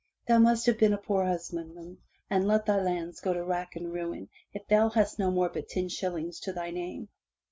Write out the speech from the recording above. Thou must have been a poor husbandman and let thy lands go to rack and ruin if thou hast no more but ten shillings to thy name.